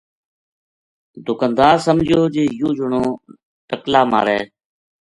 دُکاندار سمجھیو جی یوہ جنو ٹقلا مارے